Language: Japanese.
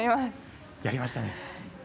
やりましたね。